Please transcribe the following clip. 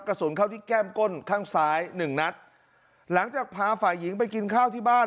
กระสุนเข้าที่แก้มก้นข้างซ้ายหนึ่งนัดหลังจากพาฝ่ายหญิงไปกินข้าวที่บ้าน